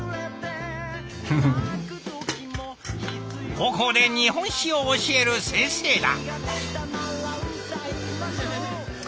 高校で日本史を教える先生だ。